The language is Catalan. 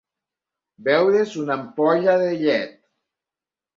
Beure's una ampolla de llet.